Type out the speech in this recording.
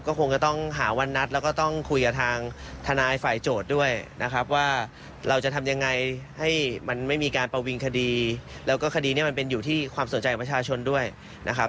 ก็คงจะต้องหาวันนัดแล้วก็ต้องคุยกับทางทนายฝ่ายโจทย์ด้วยนะครับว่าเราจะทำยังไงให้มันไม่มีการประวิงคดีแล้วก็คดีนี้มันเป็นอยู่ที่ความสนใจของประชาชนด้วยนะครับ